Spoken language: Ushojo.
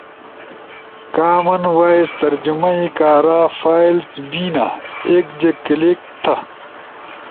کامن وائس ترجمائی کارا فائلز بینا۔ ایک جے کلک تھے